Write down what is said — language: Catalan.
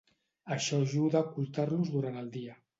Això ajuda a ocultar-los durant el dia.